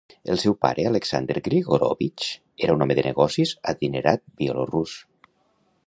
El seu pare, Aleksandr Grigorovich, era un home de negocis adinerat bielorús.